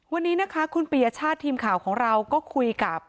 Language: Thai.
วันนี้นะคะคุณปียชาติทีมข่าวของเราก็คุยกับ